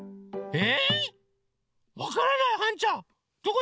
え！